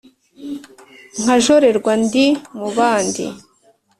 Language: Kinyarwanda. nkajorerwa ndi mu bandi